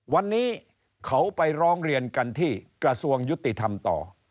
วันนี้เขาไปร้องเรียนกันที่กระทรวงยุติธรรมต่อ